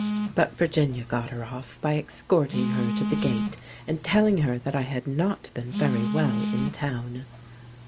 But Virginia got her off by escorting her to the gate, and telling her that I had not been very well in town.